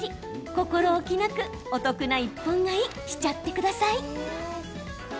心置きなくお得な１本買いしちゃってください。